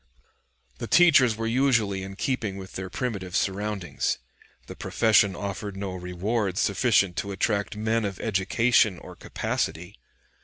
The teachers were usually in keeping with their primitive surroundings. The profession offered no rewards sufficient to attract men of education or capacity.